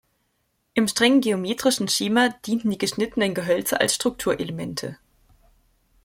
Im streng geometrischen Schema dienten die geschnittenen Gehölze als Strukturelemente.